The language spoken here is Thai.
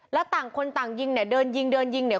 แล้วต่างคนต่างยิงเนี่ยเดินยิงเดินยิงเนี่ย